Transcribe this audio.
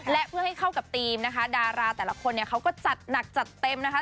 และเพื่อให้เข้ากับธีมนะคะดาราแต่ละคนเนี่ยเขาก็จัดหนักจัดเต็มนะคะ